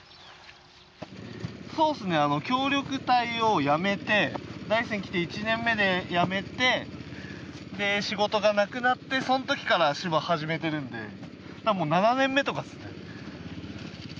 そうですね協力隊を辞めて大山に来て１年目で辞めてで仕事がなくなってそのときから芝始めているので多分もう７年目とかですね。